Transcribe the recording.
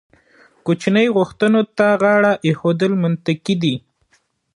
کوچنۍ غوښتنو ته غاړه ایښودل منطقي دي.